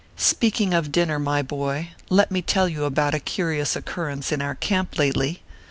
Speaking of dinner, my boy ; let me tell you about a curious occurrence in our camp lately.